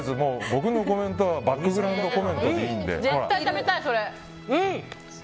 僕のコメントはバックグラウンドコメントで。